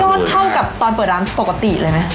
ก็เท่ากับตอนเปิดร้านปกติเลยไหม